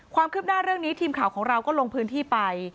ความคืบหน้าเรื่องนี้ทีมข่าวของเราก็ลงพื้นที่ไป